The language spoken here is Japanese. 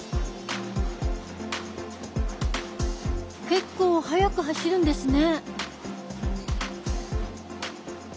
結構速く走るんですね。